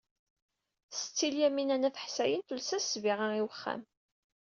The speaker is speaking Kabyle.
Setti Lyamina n At Ḥsayen tules-as ssbiɣa i wexxam.